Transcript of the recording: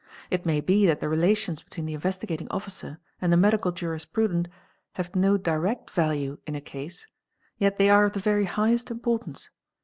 It may be that the relations between the Investigat ug Officer and the medical jurisprudent have no direct value in a ase ; yet they are of the very highest importance.